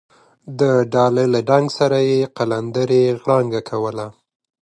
د ډاله له ډنګ سره یې قلندرې غړانګه کوله.